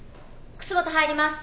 楠本入ります。